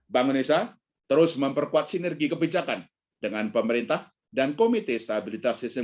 dua ribu dua puluh dua bangun esa terus memperkuat sinergi kebijakan dengan pemerintah dan komite stabilitas sistem